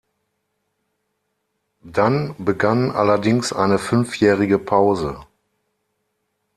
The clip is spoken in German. Dann begann allerdings eine fünfjährige Pause.